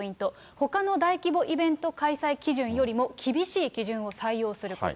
ほかの大規模イベント開催基準よりも厳しい基準を採用すること。